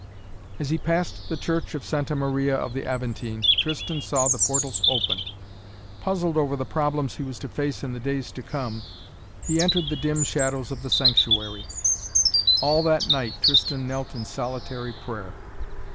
As he passed the church of Santa Maria of the Aventine, Tristan saw the portals open. Puzzled over the problems he was face in the days to come, he entered the dim shadows of the sanctuary. All that night Tristan knelt in solitary prayer.